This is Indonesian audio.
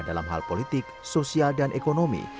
dalam hal politik sosial dan ekonomi